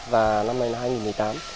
và năm nay là hai nghìn một mươi tám